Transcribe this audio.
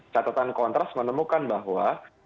catatan kontras menemukan bahwa